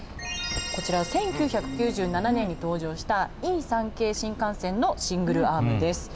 こちら１９９７年に登場したＥ３系新幹線のシングルアームです。